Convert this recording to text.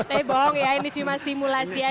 tapi bohong ya ini cuma simulasi aja